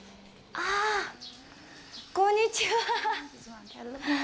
ああ、こんにちは。